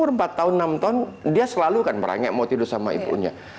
karena empat tahun enam tahun dia selalu kan merangik mau tidur bersama ibunya